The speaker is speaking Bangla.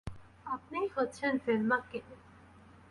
আপনিই হচ্ছেন ভেলমা কেলি।